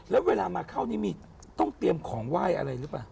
แล้วเวลามาเข้านี่ต้องเตรียมของไหว้อะไรหรือเปล่า